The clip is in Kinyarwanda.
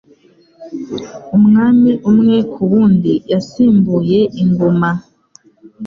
umwami umwe ku wundi yasimbuye ingoma